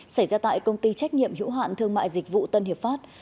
xảy ra tại công ty trách nhiệm hữu hạn thương mại dịch vụ tân hiệp pháp